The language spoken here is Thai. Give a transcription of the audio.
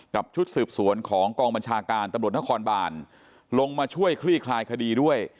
ชุดสืบสวนของกองบัญชาการตำรวจนครบานลงมาช่วยคลี่คลายคดีด้วย